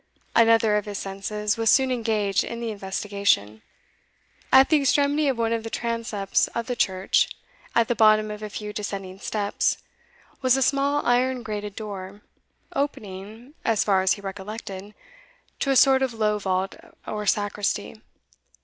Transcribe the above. Another of his senses was soon engaged in the investigation. At the extremity of one of the transepts of the church, at the bottom of a few descending steps, was a small iron grated door, opening, as far as he recollected, to a sort of low vault or sacristy.